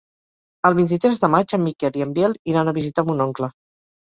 El vint-i-tres de maig en Miquel i en Biel iran a visitar mon oncle.